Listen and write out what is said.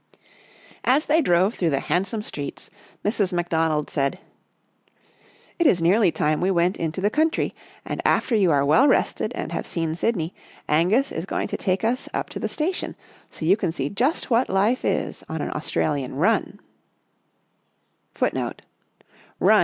As they drove through the handsome streets, Mrs. McDonald said, " It is nearly time we went into the country, and after you are well rested and have seen Sydney, Angus is going to take us up to the station so you can see just what life is on an Australian * run.'